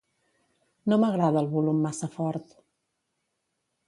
No m'agrada el volum massa fort.